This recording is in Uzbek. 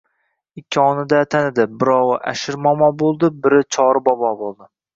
Ikkovini-da tanidi: birovi Ashir momo bo‘ldi, biri Chori bobo bo‘ldi.